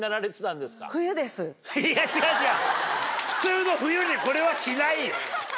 いや違う違う普通の冬にこれは着ないよ。